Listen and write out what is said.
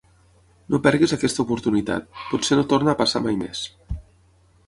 No perdis aquesta oportunitat, potser no torna a passar mai més.